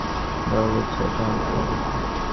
ওপাড়ায় গাঙ্গুলি-বাড়ির রামনাথ গাঙ্গুলির ছেলে তাহার সহপাঠী।